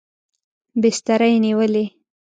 بستره یې نیولې.